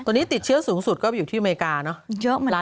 ตัวนี้ติดเชื้อสูงสุดก็อยู่ที่อเมริกาเนอะ